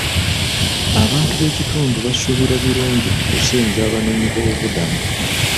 Abantu b'ekitundu basuubira birungi ku kusenza abanoonyiboobubudamu.